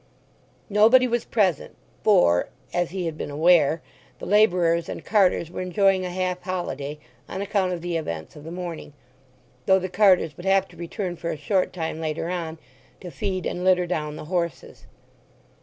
Nobody was present, for, as he had been aware, the labourers and carters were enjoying a half holiday on account of the events of the morning—though the carters would have to return for a short time later on, to feed and litter down the horses.